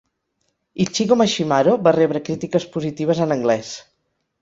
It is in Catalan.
"Ichigo Mashimaro" va rebre crítiques positives en anglès.